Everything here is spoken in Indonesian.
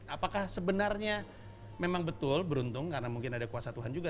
apakah sebenarnya memang betul beruntung karena mungkin ada kuasa tuhan juga